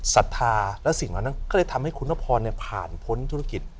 ศรัทธาและสิ่งเหล่านั้นก็เลยทำให้คุณนพรผ่านพ้นธุรกิจ